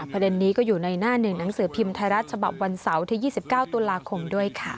ประเด็นนี้ก็อยู่ในหน้าหนึ่งหนังสือพิมพ์ไทยรัฐฉบับวันเสาร์ที่๒๙ตุลาคมด้วยค่ะ